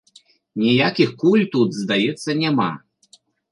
Ніякіх куль тут, здаецца, няма.